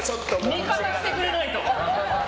味方してくれないと！